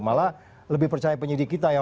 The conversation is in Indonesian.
malah lebih percaya penyidik kita ya